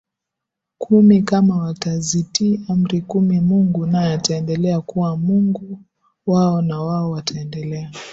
kumi kama watazitii Amri kumi Mungu naye Ataendelea kuwa Mungu wao na wao wataendelea